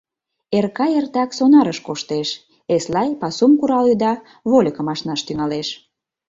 Эркай эртак сонарыш коштеш, Эслай пасум курал-ӱда, вольыкым ашнаш тӱҥалеш.